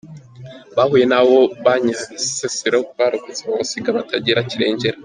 Bahuye n’abo banyabisesero barokotse babasiga batagira kirengera.